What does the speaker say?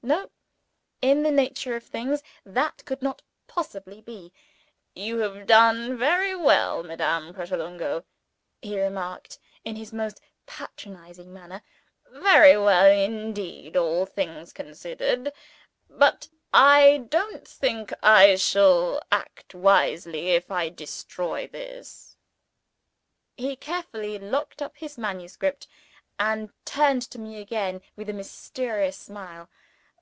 No! In the nature of things, that could not possibly be. "You have done very well, Madame Pratolungo," he remarked, in his most patronizing manner. "Very well indeed, all things considered. But, I don't think I shall act wisely if I destroy this." He carefully locked up his manuscript, and turned to me again with a mysterious smile.